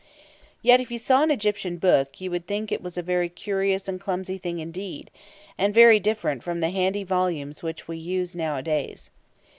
Yet, if you saw an Egyptian book, you would think it was a very curious and clumsy thing indeed, and very different from the handy volumes which we use nowadays.